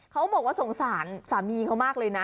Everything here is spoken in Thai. เขาบอกว่าสงสารสามีเขามากเลยนะ